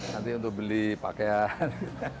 nanti untuk beli pakaian